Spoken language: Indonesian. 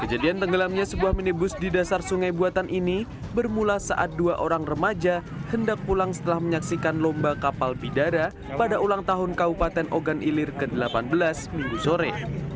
kejadian tenggelamnya sebuah minibus di dasar sungai buatan ini bermula saat dua orang remaja hendak pulang setelah menyaksikan lomba kapal bidara pada ulang tahun kabupaten ogan ilir ke delapan belas minggu sore